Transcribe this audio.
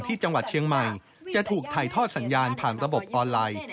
ที่จังหวัดเชียงใหม่จะถูกถ่ายทอดสัญญาณผ่านระบบออนไลน์